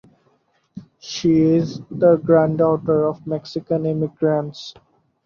She is the granddaughter of Mexican immigrants.